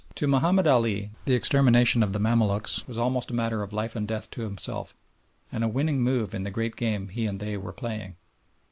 To Mahomed Ali the extermination of the Mamaluks was almost a matter of life and death to himself, and a winning move in the great game he and they were playing.